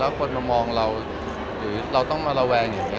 คนมามองเราหรือเราต้องมาระแวงอย่างนี้